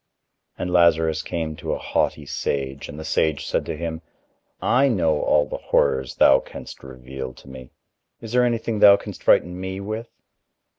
And Lazarus came to a haughty sage, and the sage said to him: "I know all the horrors thou canst reveal to me. Is there anything thou canst frighten me with?"